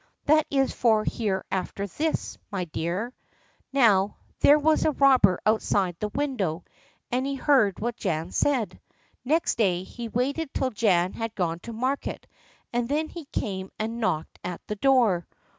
"That is for Hereafterthis, my dear." Now, there was a robber outside the window, and he heard what Jan said. Next day, he waited till Jan had gone to market, and then he came and knocked at the door.